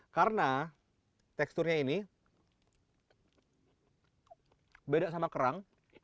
karena teksturnya ini beda sama kerang